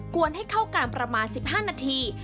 วนให้เข้ากันประมาณ๑๕นาที